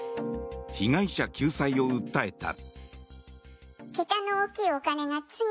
被害者救済を訴えた。